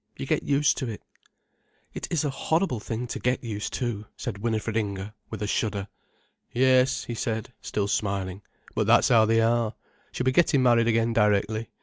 You get used to it'." "It's a horrible thing to get used to," said Winifred Inger, with a shudder. "Yes," he said, still smiling. "But that's how they are. She'll be getting married again directly.